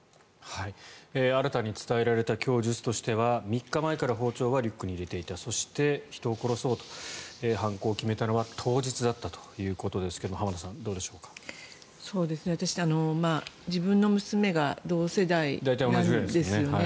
新たに伝えられた供述としては３日前から包丁はリュックに入れていたそして、人を殺そうと犯行を決めたのは当日だったということですが私、自分の娘が同世代なんですよね。